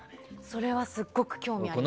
それはすっごく興味あります。